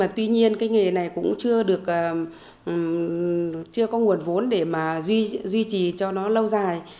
tuy nhiên cái nghề này cũng chưa có nguồn vốn để mà duy trì cho nó lâu dài